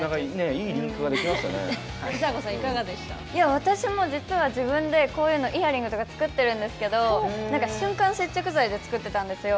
私も実は自分でこういうイヤリングとか作ってるんですけど瞬間接着剤で作ってたんですよ。